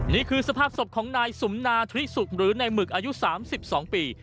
นี่คือสภาพศพของนายสุมนาธริสุกหรือในหมึกอายุ๓๒ปี